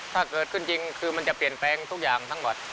ถ้าเกิดขึ้นจริงคือมันจะเปลี่ยนแปลงทุกอย่างทั้งหมด